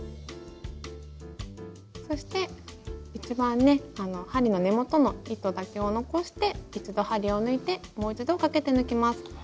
そして一番ね針の根元の糸だけを残して一度針を抜いてもう一度かけて抜きます。